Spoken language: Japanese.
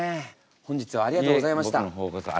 僕の方こそありがとうございました。